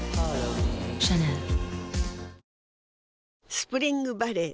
スプリングバレー